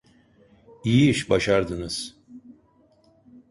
İyi iş başardınız.